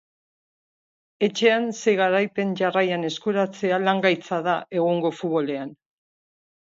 Etxean sei garaipen jarraian eskuratzea lan gaitza da egungo futbolean.